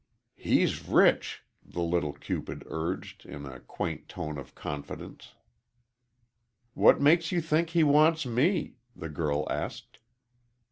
"He's rich," the little Cupid urged, in a quaint tone of confidence. "What makes you think he wants me?" the girl asked.